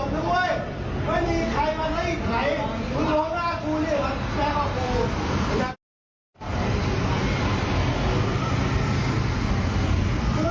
ส่วนโหดถึงเว้ยไม่มีใครมารีดไข่คุณโรงราคุเนี่ยกว่าแกกว่าคุณ